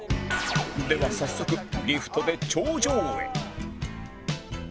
では早速リフトで頂上へ